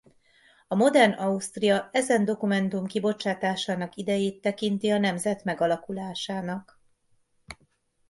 A modern Ausztria ezen dokumentum kibocsátásának idejét tekinti a nemzet megalakulásának.